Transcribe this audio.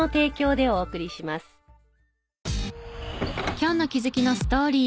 今日の気づきのストーリー。